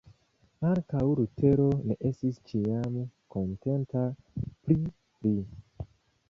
Ankaŭ Lutero ne estis ĉiam kontenta pri li.